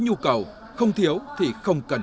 nhu cầu không thiếu thì không cần